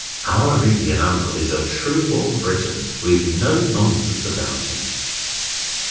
Our Indian uncle is a true born Briton, with no nonsense about him.